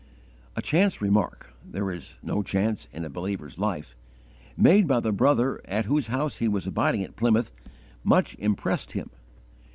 A 'chance remark' there is no chance in a believer's life! made by the brother at whose house he was abiding at Plymouth, much impressed him.